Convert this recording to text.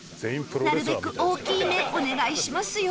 なるべく大きい目お願いしますよ